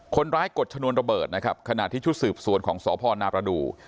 กดชนวนระเบิดนะครับขณะที่ชุดสืบสวนของสพนประดูก